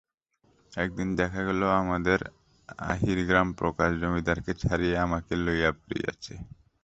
একদিন দেখা গেল আমাদের আহিরগ্রামপ্রকাশ জমিদারকে ছাড়িয়া আমাকে লইয়া পড়িয়াছে।